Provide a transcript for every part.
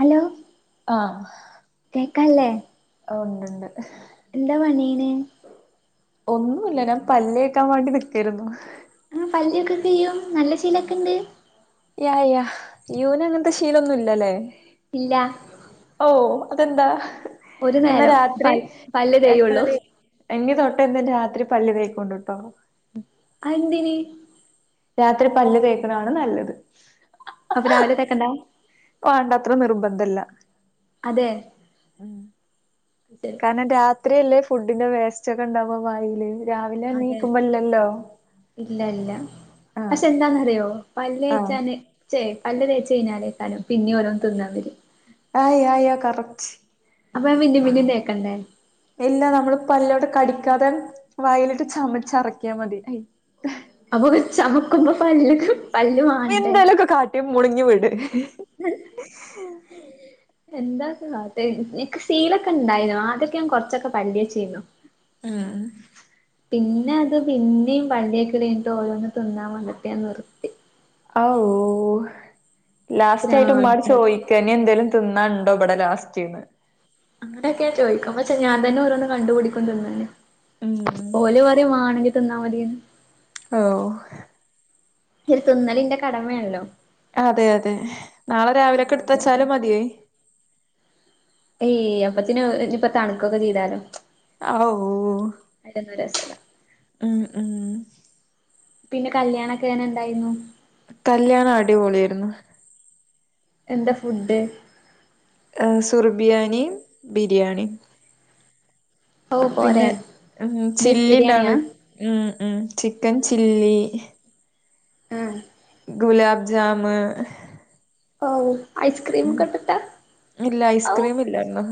Hello ആ കേക്കാല്ലേ? ഓ ണ്ട് ണ്ട് എന്താ പണീണ് ഒന്നുല്ല ഞാൻ പല്ലേക്കാൻ വാണ്ടി നിക്കേര്ന്നു പല്ലേക്കെ ചെയ്യും നല്ല ശീലൊക്കെണ്ട് യാ യാ യൂന് അങ്ങൻത്തെ ശീലൊന്നുല്ലല്ലേ ഇല്ലാ ഓഹ് അതെന്താ ഒരു എന്നാ നേരം രാത്രി പൽ പല്ല് തേയുള്ളൂ എന്നാല് എന്നി തൊട്ടേ എന്നും രാത്രി പല്ല് തേക്കോണ്ടു ട്ടോ അഎന്തിന് രാത്രി പല്ല് തേക്ക്ണതാണ് നല്ലത് അപ്പ രാവിലെ തേക്കണ്ടാ വേണ്ട അത്ര നിർബന്ധല്ല അതേ ഉം തെ കാരണം രാത്രിയല്ലേ ഫുഡിന്റെ വേസ്റ്റൊക്കെ ഉണ്ടാവാ വായില് രാവിലെ അതെ എനീക്കുമ്പോല്ലല്ലോ ഇല്ല ഇല്ല പക്ഷെ എന്താന്നറിയോ പല്ല് ആഹ് ഏച്ചാന് ച്ചെ പല്ല്തേച്ച് കഴിഞ്ഞാലേകാരം പിന്നിം ഓരോന്ന് തിന്നാൻ വരാ- ആഹ് യാഹ് യാഹ് കറക്റ്റ് അപ്പ പിന്നിം പിന്നിം തേക്കണ്ടേ ഇല്ല നമ്മള് പല്ലോട് കടിക്കാതെ വായിലിട്ട് ചമച്ചറക്ക്യാ മതി അയ് അപ്പൊ ചമക്കുമ്പോ പല്ല്ക്ക് പല്ല് വാണ്ടേ ട്ടി മുണുങ്ങി വിട് എന്താ കാട്ടാ ഇ നിക്ക് സീലൊക്കെ ഇണ്ടായിനു അദ്യക്കെ ഞാൻ കുറച്ചൊക്കെ പല്ലേച്ചീന്നു ഉം പിന്നെ അത് പിന്നിം പല്ലേക്കല് കഴിഞ്ഞിട്ട് ഓരോന്ന് തിന്നാൻ വന്നിട്ട് ഞാൻ നിർത്തി അഅൂ ലാസ്റ്റ് ആയിട്ട് ഉമ്മാട് പ്രാന്താണ് ചോയ്- ക്കേനി എന്തേലും തിന്നാണ്ടോ ഇബടെ ലാസ്റ്റ്ന്ന് അങ്ങനെയൊക്കെ ചോയ്ക്കും പക്ഷെ ഞാൻ തന്നെ ഓരോന്ന് കണ്ടുപിടിക്കും തിന്നാന് ഉം ഓല് വ ത് വാണെങ്കി തിന്നാ മതിയെന്ന് അആൂ ഈ തിന്നലിന്റെ കടമേണല്ലോ അതെ അതെ നാളെ രാവിലെക്ക് ആഹ് ഇട്ത്ത് അതെ അതെ വെച്ചാലും മതിയെ എയ് അപ്പത്തിന് ഇനിപ്പൊ തണുക്കൊക്കെ ചെയ്താലോ- അആൂ അയിലൊന്നും രസല്ല ഉം ഉം പിന്നെ കല്യാണെക്കെ എങ്ങനെ ഇണ്ടായിന്നു കല്യാണം അടിപൊളിയായിരുന്നു എന്താ ഫുഡ്‌ ഏ് സുർബിയാനിം ബിരിയാണിം ഓ പോരെ പിന്നെ ഉം ബീഫ് ചില്ലി ബിരിയാണിയാ ഇണ്ടായിര്ന്നു ഉം ഉംചിക്കൻ ചില്ലി- ആഹ് ഗുലാബ് ജാമ് ഔ ഐസ്ക്രീം ഉം ഒക്കെ ഇട്ടിട്ടാ ഇല്ല ഔ ഐസ്ക്രീം ഇല്ലായിരുന്നു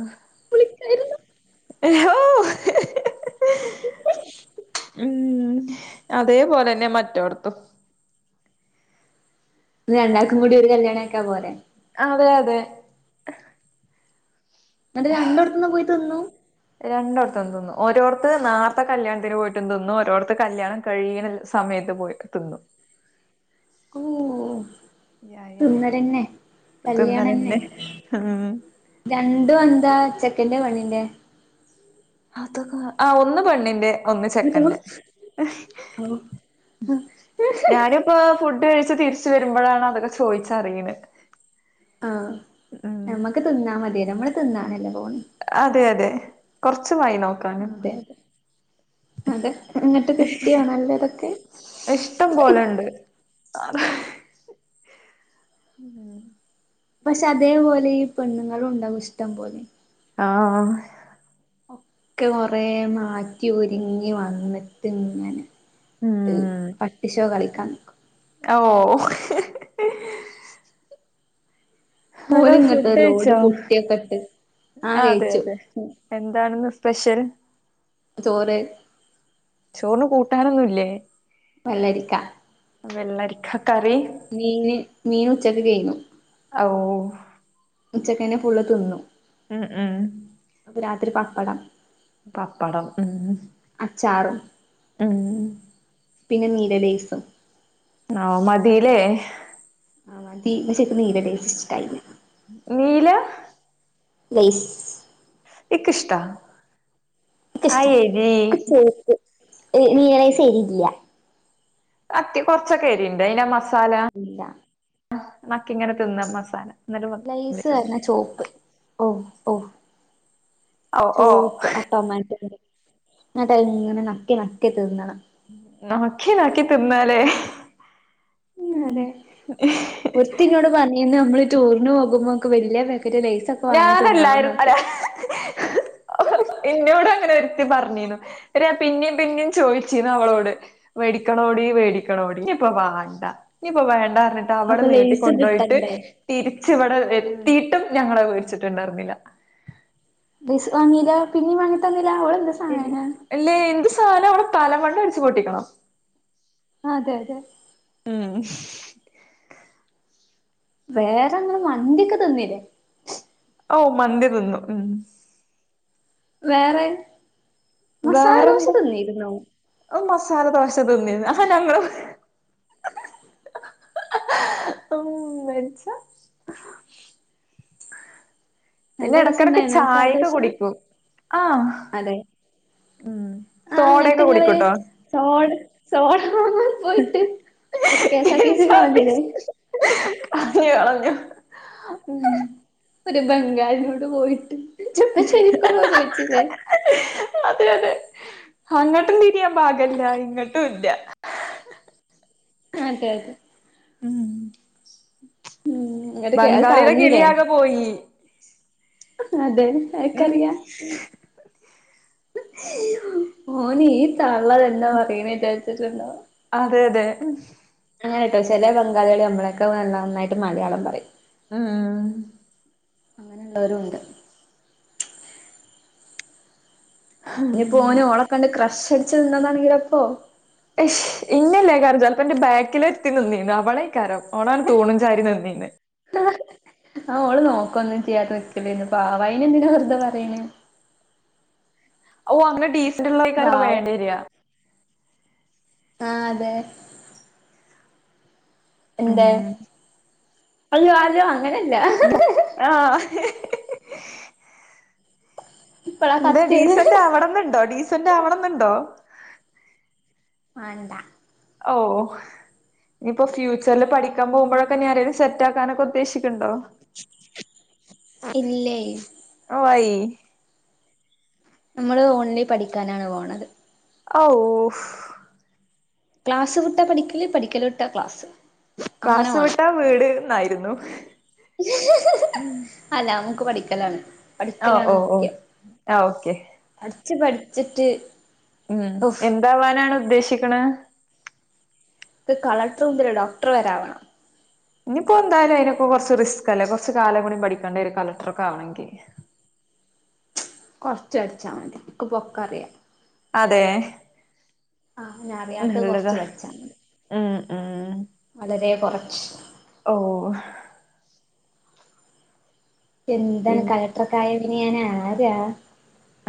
പൊളിക്കായിരുന്നു. എ ഹോഹ്ഹ്- ഉം അതേപോലെന്നെ മറ്റോട്ത്തും രണ്ടാക്കും കൂടി ഒരു കല്യാണാക്കാ പോരെ അതെ അതെ ന്നിട്ട് രണ്ടോട്ത്ത്ന്നും പോയി തിന്നു രണ്ടോട്ട്ത്ത്‌ന്നും തിന്നു ഓരോട്ത്ത്‌ നേർത്തെ കല്യാണത്തിന് പോയിട്ടും തിന്നു ഒരോട്ത്ത് കല്യാണം കഴി സമയത്തും പോയിട്ട് തിന്നു. ഓഹോ യാ യാ തിന്നല്ലന്നെ- കല്യാണന്നെ തിന്നലന്നെ ഉം രണ്ടും എന്താ ചെക്കൻന്റെ പെണ്ണിന്റെ അതൊക്ക ആഹ് ഒന്ന് പെണ്ണിന്റെ- ഒന്ന് ചെക്കന്റെ [unintelligible] ഞാനും- ഇപ്പൊ ഫുഡ് കഴിച്ച് തിരിച്ചു വരുമ്പോഴാണ് അതൊക്കെ ചോദിച്ചറിയ്ണ്- ആഹ് നമ്മക്ക് തിന്നാ മതി നമ്മള് തിന്നാണല്ലേ പോണ് അതെ അതെ കുറച്ച് വൈ [unintelligible] അതെ അതെ- അതെ എന്നിട്ട് കിട്ടിയോ നല്ലതൊക്കെ? ഇഷ്ടം പോലെണ്ട് [unintelligible] പക്ഷെ അതേപോലെ ഈ പെണ്ണുങ്ങളും ഉണ്ടാകും ഇഷ്ടം പോലെ- ആഹ് ആഹ് ഒക്കെ കൊറേ മാറ്റി ഒരുങ്ങി വന്നിട്ട് ഇങ്ങനെ- പട്ടിശോ കളിക്കാൻ ഓഓ [unintelligible] നല്ല ഓല് ഇങ്ങട്ട് ഫുഡ് ലോഡ് കഴിച്ചോ? പുട്ടിയൊക്കെ ഇട്ട് ആഹ് അതെ അതെ എന്താണെന്ന് സ്പെഷ്യൽ? ചോറ് ചോറിന് കൂട്ടാനൊന്നുംല്ലേ? പല്ലരിക്ക വെള്ളിക്ക കറി മീന് മീൻ ഉച്ചക്ക് കഴുന്നു. ഔ ഉച്ചക്കന്നെ ഫുള് തിന്നു. ഉം ഉം. അപ്പ രാത്രി പപ്പടം. പപ്പടം ഉം അച്ചാറും ഉം. പിന്നെ നീലലേസും. ആഹ് മതില്ലേ ആഹ് ചെപ്പ് നീല ടേസ്റ്റ് ഇഷ്ടല്ല നീല് ലേസ് ഇക്കിഷ്ട്ടാ- ഇഷ്ടല്ല ചോപ് നീരെ ശരില്ല കത്തി കൊറച്ചൊ കെരിണ്ട് അയിന മസാല ഇല്ല നക്ക ഇങ്ങനെ തിന്ന മസാല ലൈസ് എന്നിട്ട് തിന്ന് പറഞ്ഞ ചുവപ്പ് ഓ ഓ ഓ ഓ ചോപ്പ് ആട്ടോമാറ്റോ എന്നട്ടങ്ങനെ നക്കി നക്കി തീന്നണം. നക്കി നക്കി തിന്നാലെ ഉം അതെ ഉ [unintelligible] ഒരീത്തിന്നോട് പറയുന്നത് നമ്മള് ടൂറിന് പോകുമ്പോെ വലിയ പാക്കക്കറ്റ് ലൈസക്കെ ഞാനല്ലായിരുന്നു അരാ എന്നോട് അങ്ങനെ ഒരുത്തി പറഞ്ഞു അ പിന്നേം പിന്നേം ചോയിച്ചിരുന്നു അവളോട് മേടിക്കണോടി വേടിക്കണോടി ഇപ്പൊ വേണ്ട ഇപ്പൊ വേണ്ട അവിടെ അപ്പൊ ലേസ് നീട്ടിക്കൊണ്ടുപോയിട്ട് കിട്ടണ്ടേ തിരിച്ച ഇവിടെ ആഹ് എത്തിട്ടും ഞങ്ങളെ വിേടിച്ചിട്ടുണ്ടായിരുന്നില്ല വങ്ങീല പിന്നും വാങ്ങിത്ത തങ്ങീല അവള എ അല്ല എന്ത് സാധനം അവിടെ തലമണ്ട് അടിച്ച് പൊട്ടിക്കണം ആഹ് അതെ അതെ ആഹ് വേറെങ്ങനെ മന്ണ്ടിയൊക്കെ തന്നില്ലേ ഓ മന്തി തിന്നും വേറെ മസാല ദോശ വേറെന്ത തിന്നിരുന്നോ മസാല ദോശ തിന്നി ആഹ് ഞങ്ങള് [unintelligible] [unintelligible] പിന്നെ നല്ല ഇടക്കിടക്ക് രസണ്ടായിരുന്നു മസാല ചായയൊക്കെ ദോശ കുടിക്കും ആഹ് അതെ ഉം സോടയൊക്കെ കുടിക്കൂട്ടോ സോട സോട ആൻപോയിട്ട് കേസർ തീസ് കാണുന്നില്ലേ അങ്ങ് കളഞ്ഞു ഉം [unintelligible] ഒരു ബംഗാളിനോട് പോയിട്ട് ചപ്പോ ശരിക്കും പോ ചോദിച്ചില്ലേ അതെ അതെ അങ്ങോട്ടും ഇനിയൻ പാഗില്ല ഇങ്ങോട്ടും ഇല്ല അതെ അതെ ഉം ഉം അത് അത് ബംഗാളിയുടെ കളഞ്ഞിടേ കിളിയാകെ പോയി അതെ ഉം അനക്കറിയാ [unintelligible] ഓന് ഈ താള്ളതെന്താ പറയ വിചാരിച്ചിട്ടുണ്ടോ അതെ അതെ അങ്ങനെ കേട്ടോ ചെില ബംഗാളികളി നമ്മളൊക്കെ നല്ല നന്നായിട്ട് മലയാളം പറയും ഉം അങ്ങനെയുള്ളവരും ഉണ്ട് ഇനിപോന് ഓള കണ്ടണ്ട് ക്രഷ് അടച്ച് നിന്നന്നാണെങ്കില അപ്പോ ഷ് ഇന്നല്ലേ കാര്യം ചിലപ്പോ എന്റെ ബാക്കില എത്തി നിന്നു അവളേക്കാരോ ഓളാണ് തൂണുംചാരി നന്നീന്ന് ആഹ് അവഓള് നോക്ക ഒന്നും ചെയ്യാത നിക്കലന്ന് പാവ അന് എന്തിന വെറുത പറയണ ഓ അനെ ഡീസൽ ഉള്ളക്കാര് പാവം വേണ്ട വരിക ആഹ് അതെ എന്താ ഉം [unintelligible] ആാലോ അങ്ങനെയല്ല ആഹ് [unintelligible] ഇപ്പളാ എന്താ കത്തിയത് ഡീസന്റെ ആവിടെന്നുണ്ടോ ഡീസന്റെ ആവണന്നുണ്ടോ വേണ്ടാ ഓഹ് ഇനിയിപ്പോ ഫ്യൂച്ചറിൽ പഠിക്കാൻ പോക്പോഴൊക്കെ ഞരാലും സെറ്റാക്കാനൊക്കെ ഉദ്ദേശിക്കുന്നുണ്ടോ ഇല്ലേ ഓ ആയി നമ്മള് ഓൺലി പഠിക്കാനാണ് പോണത് ഓഫ് ക്ലാസ് വിട്ട പഠിക്കലേ പഠിക്കല വിട്ടാ ക്ലാസ് അങ്ങനെ ക്ലാസ് വിട്ട വേണം വീട് എന്നായിരുന്നു ഉം [unintelligible] ഞങ്ങക്ക് പഠിക്കലാണ് ഓ പഠിക്കലാണ് ഓ ഓ മുഖ്യം ആ ഓക്കെ പഠച്ച് പഠിച്ചിട്ട് ഉം ഉഫ് എന്താവാനാണ് ഉദ്ദേശിക്കുന്നത് കളക്ടർ മുതില്ല ഡോക്ടർ വരാവണം ഇനിയിപ്പോ എന്തായാലും അതിനൊക്കെ കുറച്ച് റിസ്ക് അല്ലേ കുറച്ച് കാലം കടി പഠിക്കേണ്ട ഒരു കലക്ടറൊക്കെ ആണെങ്കിൽ കുറച്ച അടിച്ചാൽ മതി എക്ക് പൊക്കറിയൻ അതെ ആഹ് ഞാൻ അറിയാത്തത് നല്ലതാ കൊറച്ച് ഉം ഉം വളരേ കൊറച്ച് ഓഹ് എന്താണ് പിൻ കളക്ടറൊക്കായാ പിന്നെ ഞാനാരാ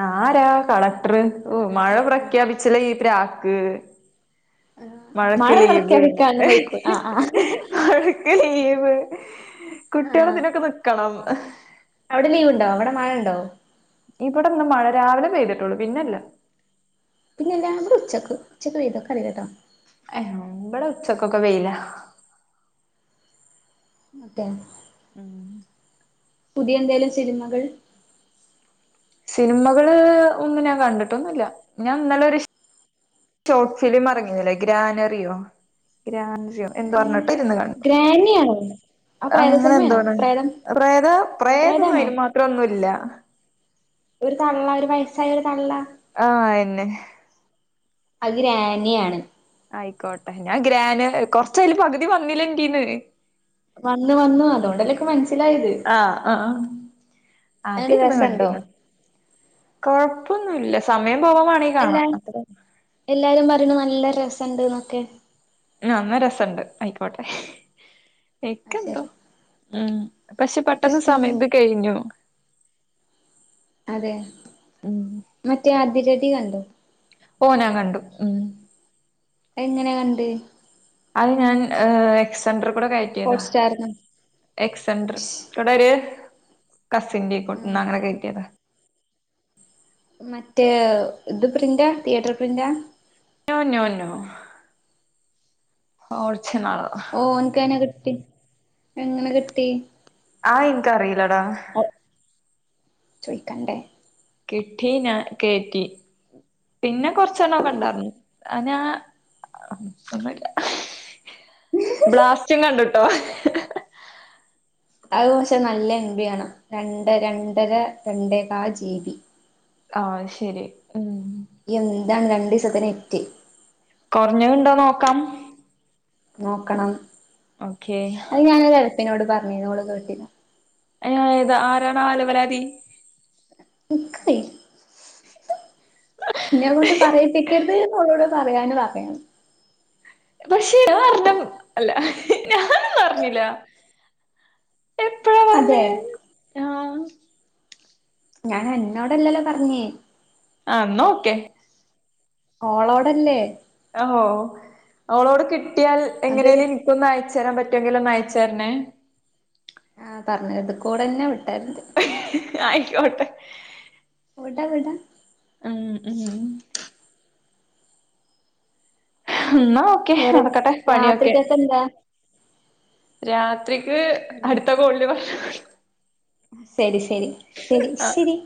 ആരാ കളക്ടർ ഓ മഴ പ്രഖ്യാപിച്ചില്ലെങ്കി ഈ പ്രാക്ക് ആഹ് മഴക്ക് മഴ ലീവ് പ്രഖ്യാപിക്കാനൊന്നും വൈക്കൂല ആഹ് ആഹ് മഴ ക്ക് ലീവ് കുട്ടികള ആഹ് ഇതിനൊക്കെ നിക്കണം അവിടെ ലീവ്ണ്ടോ വടെ മഴണ്ടോ ഇബടെന്ന് മഴ രാവിലെ പെയ്തിട്ടുള്ളൂ പിന്നെല്ല പിന്നെല്ലാ ബടെ ഉച്ചക്ക് ഉച്ചക്ക് പെയ്തോക്കറിയില്ലട്ടോ ഏഹ് ബടെ ഉച്ചക്കൊക്കെ വെയിലാ ട്ടൻ ഉം പുതിയ എന്തേലും സിനിമകൾ സിനിമകള് ഒന്നും ഞാൻ കണ്ടിട്ടൊന്നുല്ല ഞാൻന്നലൊരു ഷോർട്ട് ഫിലിം ഇറങ്ങിയുന്നില്ലേ ഗ്രാനറിയോ ഗ്രാനറിയോ എന്തോ പറഞ്ഞിട്ട് ഗ്രാനി ആണോ ആഹ് അങ്ങനെന്തോണ് പ്രേതാ പ്രേതൊന്നു പ്രേതാണോ അയിന് മാത്രൊന്നുല്ല ഒരു തള്ള ഒരു വയസ്സായൊരു തള്ള ആഹ് അയന്നെ അത് ഗ്രാനി ആണ് ആയിക്കോട്ടെ ഞാ ഗ്രാന് കൊർച്ചയില് പകുതി വന്നില ഇന്റീന്ന് വന്ന് വന്നു അതോണ്ടല്ലേൻക്ക് മൻസ്സിലായത് ആഹ് ആഹ് എങ്ങനണ്ട് രസണ്ടോ കൊഴ്പ്പൊന്നുല്ല സമയം പോവാമാണെങ്കി കാണാ എല്ലാ അത്ര എല്ലാരും പറിണ് നല്ല രസണ്ട്ന്നൊക്കെ ന്നാ അന്ന രസണ്ട് ആയിക്കോട്ടെ അത് ഇക്കെന്തോ ശരി ഉം പഷെ നിനക്ക് പെട്ടെന്ന് ഇഷ്ടായില്ല സമയത് കെയിഞ്ഞു അതെ മറ്റേ അതിരടി കണ്ടോ ഓ ഞാന് കണ്ടു ഉം എങ്ങനെ കണ്ട് അഹ് ഞാൻ ഏഹ് എക്സണ്ടർ കൂടെ കയറ്റിയതാ ഹോട്ട്സ്റ്റാറിന്ന് എക്സൻണ്ടർട്ര കൂടൊര് ഉം കസിൻന്റെകൊട്ന്ന് അങ്ങനെ കേറ്റിയതാ മറ്റേ ഇത് പ്രിന്റാ തിയേറ്റർ പ്രിന്റാ നോ നോ നോ ഒർജിനൽ ഓൻക്കെങ്ങനെ കിട്ടി എങ്ങനെ കിട്ടി ആഹ് ഇൻകറീലടാ ചോയ്ക്കണ്ടേ കിട്ടീ ഞാ കേറ്റി പിന്നെ കൊർച്ചെണ്ണ കണ്ടായിറുന്നു അനാ ഒന്നുല്ല ബ്ലാസ്റ്റും കണ്ടുട്ടോ അഹ് പഷെ നല്ല എൻ ബി ആണം രണ്ടര രണ്ടേകാൽ ജീബി ആഹ് ശരി ഉം എന്താണ് രണ്ടീസത്തിന് നെറ്റ് കുറഞ്ഞത്ണ്ടോ നോക്കാം നോക്കണം ഓക്കെ അഹ് ഞാനൊഎൽപ്പിനോട് പറഞ്ഞീന്നു ഓള് കേട്ടില ഏ ത ആരാണാ അലവലാതി ൻക്കറീല ഇന്നെകൊണ്ട് പറയിപ്പിക്കര്ത് ഓളോട് പറയാന് പറ പക്ഷേ ഞാഅറ്ഞ്ഞം അല്ല ഞാനൊന്നു അറിഞ്ഞില അതെ ആഹ് ഞാൻ അന്നോടല്ലല്ലോ പറഞ്ഞേ ആഹ് ന്നാ ഓക്കെ ഓളോടെല്ലേ ആഹോ ഓളോട് കിട്ടിയാൽ അത് എങ്ങനെല് ഇക്കൊന്ന് അയച്ചരാൻ പറ്റൊങ്കില് ഒന്ന് അയച്ചെരണേ ആഹ് തറഞ്ഞെ ഇത്ക്കൂടെന്നെ വിട്ടര്ണ്ട് ആയിക്യോട്ടെ വിട വിട ഉം ഉം ഉം ഇന്നാ ഓക്കെ നടക്കട്ടെ പനിയൊക്കെ എന്താ രാത്രിക്ക് അടുത്ത കൊള്ളി ബ ശരി ശരി ശരി ആഹ് സരി